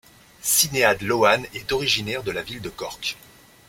Sinéad Lohan est originaire de la ville de Cork.